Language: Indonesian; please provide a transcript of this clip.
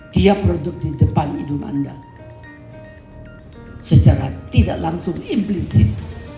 tiap produk di depan hidup anda secara tidak langsung implisit